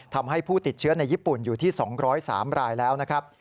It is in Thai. ทำให้ผู้ติดเชื้อในญี่ปุ่นอยู่ที่๒๐๓รายแล้วนะครับ